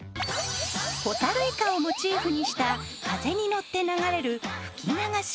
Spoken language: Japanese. ホタルイカをモチーフにした風に乗って流れる吹き流し。